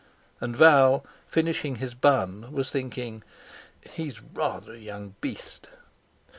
And Val, finishing his bun, was thinking: "He's rather a young beast!"